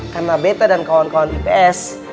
karena betta dan kawan kawan ips